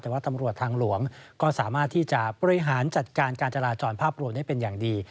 แต่ว่าตำรวจทางหลวงก็สามารถที่จะบริหารจัดการการจราจรภาพรวมได้เป็นอย่างดี